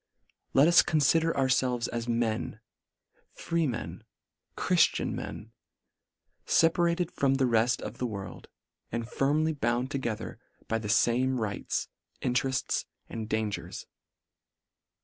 Let us confider ourfelves as men — Freemen — Chriftian men — feparated from the reft of the world, and firmly bound together by the fame rights, interefts, and dangers.